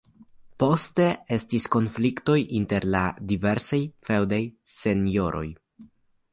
Poste estis konfliktoj inter la diversaj feŭdaj senjoroj.